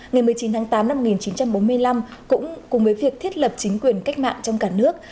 ngày một mươi chín tháng tám năm một nghìn chín trăm bốn mươi năm cũng cùng với việc thiết lập chính quyền cách mạng trong cả nước